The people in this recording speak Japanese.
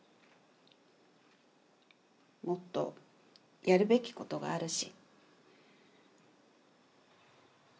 もっとやるべきことがあるし。